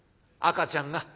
赤ちゃんが」。